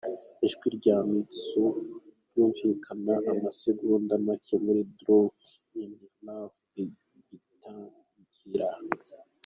Ijwi rya Mitsou ryumvikana amasegonda make muri Drunk in Love igitangira.